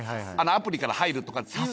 アプリから入るとかっていう。